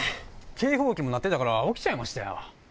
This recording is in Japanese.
警報器も鳴ってたから起きちゃいましたよ。